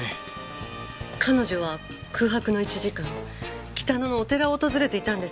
彼女は空白の１時間北野のお寺を訪れていたんです。